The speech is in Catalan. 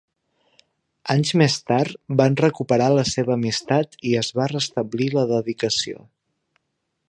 Anys més tard, van recuperar la seva amistat i es va restablir la dedicació.